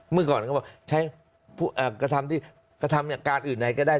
เมื่อก่อนก็ใช้กระทำการดีึกายก็ได้